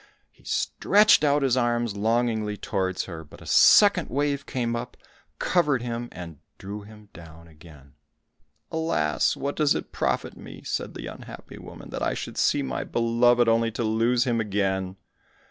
He stretched out his arms longingly towards her, but a second wave came up, covered him, and drew him down again. "Alas, what does it profit me?" said the unhappy woman, "that I should see my beloved, only to lose him again!"